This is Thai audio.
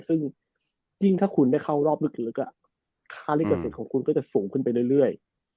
ซึ่งยิ่งถ้าคุณได้เข้ารอบลึกค่าลิขสิทธิ์ของคุณก็จะสูงขึ้นไปเรื่อย